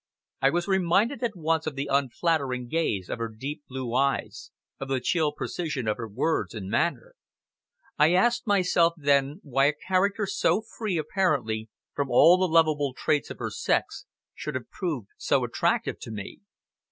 I was reminded at once of the unfaltering gaze of her deep blue eyes, of the chill precision of her words and manner. I asked myself, then, why a character so free, apparently, from all the lovable traits of her sex, should have proved so attractive to me.